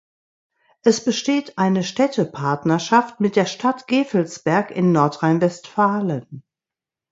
Es besteht eine Städtepartnerschaft mit der Stadt Gevelsberg in Nordrhein-Westfalen.